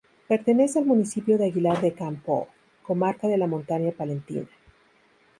Pertenece al municipio de Aguilar de Campoo, comarca de la Montaña Palentina.